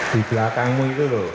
di belakangmu itu loh